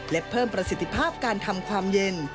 และเพิ่มประสิทธิภาพการทำความเย็น